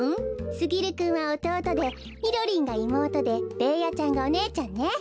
すぎるくんはおとうとでみろりんがいもうとでベーヤちゃんがお姉ちゃんね。